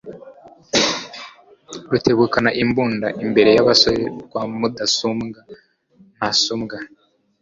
Rutebukana imbunda imbere y'abasore rwa Mudasumbwa ntasumbwa